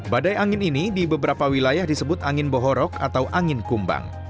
badai angin ini di beberapa wilayah disebut angin bohorok atau angin kumbang